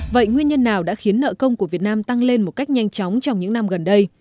vậy nguyên nhân nào đã khiến nợ công của việt nam tăng lên một cách nhanh chóng trong những năm gần đây